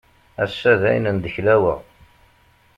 Ass-a dayen ndeklaweɣ.